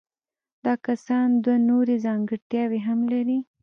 دا کسان دوه نورې ځانګړتیاوې هم لري.